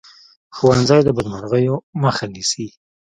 ښوونځی د بدمرغیو مخه نیسي